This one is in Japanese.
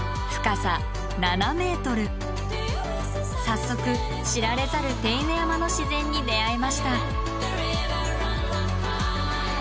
早速知られざる手稲山の自然に出会えました。